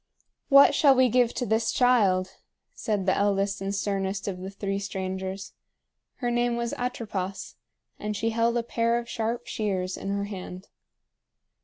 "What shall we give to this child?" said the eldest and sternest of the three strangers. Her name was Atropos, and she held a pair of sharp shears in her hand.